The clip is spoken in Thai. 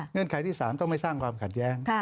เงื่อนไขที่สามต้องไม่สร้างความขัดแย้ง